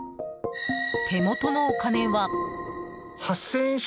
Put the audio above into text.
手元のお金は。